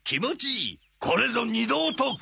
これぞ二度お得！